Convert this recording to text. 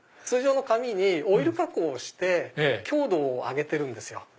通常の紙にオイル加工をして強度を上げてるんですよ。